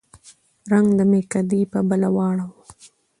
رنګ د مېکدې په بله واړوه